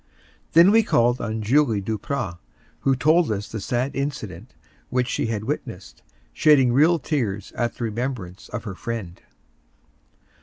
Then we called on Julie Duprat, who told us the sad incident which she had witnessed, shedding real tears at the remembrance of her friend.